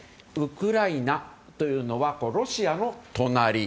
ウクライナというのはロシアの隣。